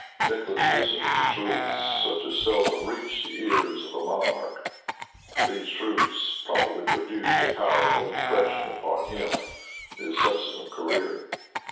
Nicholas listened to truths such as seldom reach the ears of a monarch; and these truths probably produced a powerful impression upon him in his subsequent career.